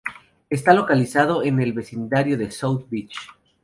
Está localizado en el vecindario de South Beach.